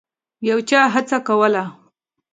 یو چا هڅه کوله.